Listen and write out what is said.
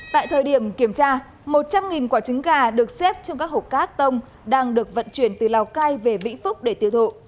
tại thời điểm kiểm tra một trăm linh quả trứng gà được xếp trong các hộp cát tông đang được vận chuyển từ lào cai về vĩnh phúc để tiêu thụ